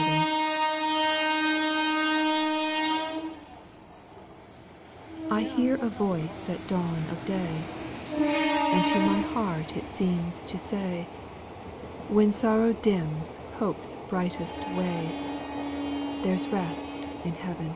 T HEAR a voice at dawn of day, X And to my heart it seems to say, When sorrow dims hope's brightest ray, " There 's rest in heaven."